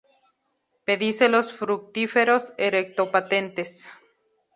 Pedicelos fructíferos erecto-patentes.